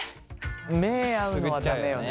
目合うのは駄目よね。